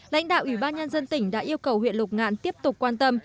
lãnh đạo ủy ban nhân dân tỉnh đã yêu cầu huyện lục ngạn tiếp tục quan tâm